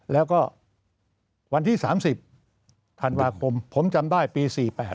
แล้วก็วันที่๓๐ธันวาคมผมจำได้ปี๔๘